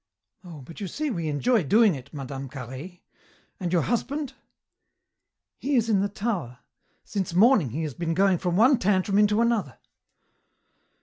"Oh, but you see we enjoy doing it, Mme. Carhaix. And your husband?" "He is in the tower. Since morning he has been going from one tantrum into another."